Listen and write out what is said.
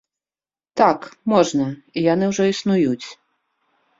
Так, можна, і яны ўжо існуюць.